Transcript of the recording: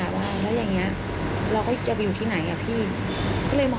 ถามว่าแล้วเราต้องเอาทรัพย์สินที่เราปล่อยด้วย